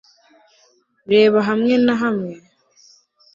reba hamwe na hamwe